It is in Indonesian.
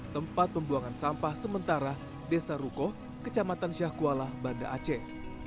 tempat pembuangan sampah sementara desa rukoh kecamatan syahkuala banda aceh